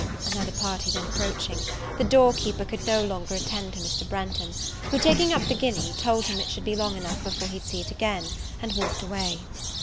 Another party then approaching, the door keeper could no longer attend to Mr. Branghton; who, taking up the guinea, told him it should be long enough before he'd see it again, and walked away.